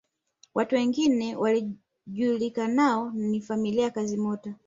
Watu wengine wajulikanao ni familia ya Kazimoto